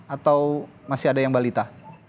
atau masih ada yang balita